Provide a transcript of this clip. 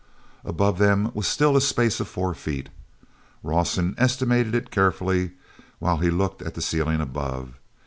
Above them was still a space of four feet; Rawson estimated it carefully while he looked at the ceiling above.